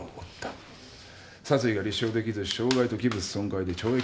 殺意が立証できず傷害と器物損壊で懲役３年。